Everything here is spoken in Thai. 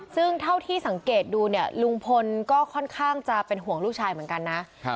ซึ่งเท่าที่สังเกตดูเนี่ยลุงพลก็ค่อนข้างจะเป็นห่วงลูกชายเหมือนกันนะ